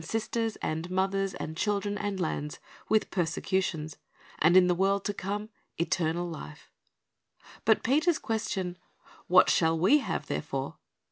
39^ Christ's Object Lessons sisters, and mothers, and children, and lands, with persecu tions; and in the world to come eternal life." But Peter's question, "What shall we have therefore?"